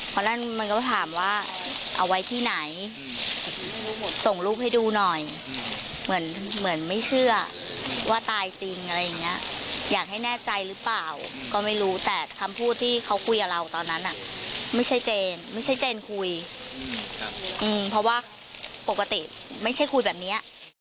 เพราะว่าปกติไม่ใช่คุยแบบนี้